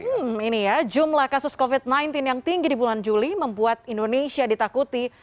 hmm ini ya jumlah kasus covid sembilan belas yang tinggi di bulan juli membuat indonesia ditakuti